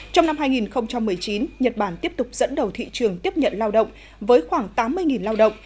trong năm hai nghìn một mươi chín nhật bản tiếp tục dẫn đầu thị trường tiếp nhận lao động với khoảng tám mươi lao động